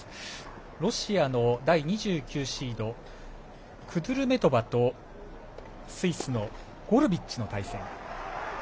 ロシアの第２９シードクドゥルメトバとスイスのゴルビッチの対戦。